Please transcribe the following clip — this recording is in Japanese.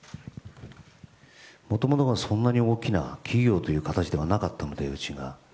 もともと、そんなに大きな企業という形ではなかったのでうちが。